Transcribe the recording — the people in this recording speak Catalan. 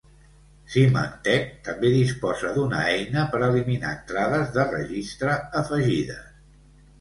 Symantec també disposa d'una eina per eliminar entrades de registre afegides.